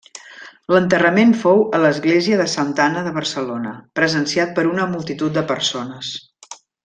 L'enterrament fou a l'Església de Santa Anna de Barcelona, presenciat per una multitud de persones.